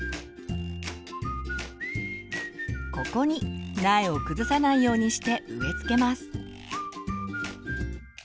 ここに苗を崩さないようにして植えつけます。